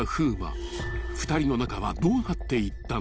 ［２人の仲はどうなっていったのか］